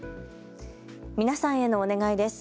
皆さんへのお願いです。